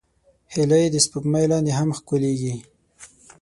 هیلۍ د سپوږمۍ لاندې هم ښکليږي